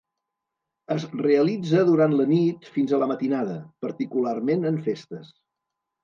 Es realitza durant la nit fins a la matinada, particularment en festes.